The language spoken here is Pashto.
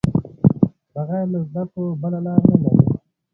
بغیر له زده کړو بله لار نه لرو.